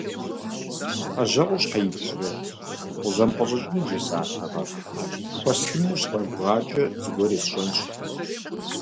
Ӏэжьэкъур щхьэ ипчрэ, укъызэмыпӀэщӀэкӀыну бжесӀатэкъэ, пхуэстхыну укъыщызгъэгугъакӀэ, зыгуэр есщӀэнщ.